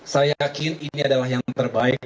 saya yakin ini adalah yang terbaik